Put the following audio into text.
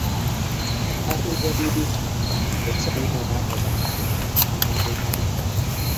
Na san Jami bai sani na yi haka ba, amma dai na yi.